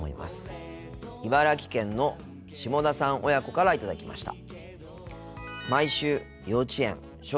茨城県の下田さん親子から頂きました。